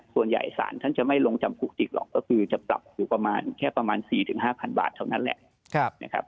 ส่วนใหญ่สารท่านจะไม่ลงจำคุกอีกหรอกก็คือจะปรับอยู่แค่ประมาณ๔๕๐๐๐บาทเท่านั้นแหละ